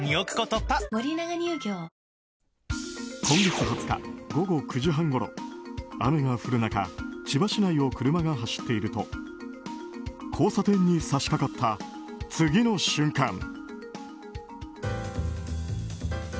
今月２０日、午後９時半ごろ雨が降る中千葉市内を車が走っていると交差点に差し掛かった、次の瞬間。